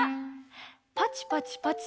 パチパチパチ。